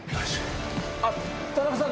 あっ田中さん